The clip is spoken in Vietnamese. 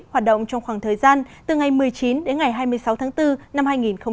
hoạt động trong khoảng thời gian từ ngày một mươi chín đến ngày hai mươi sáu tháng bốn năm hai nghìn hai mươi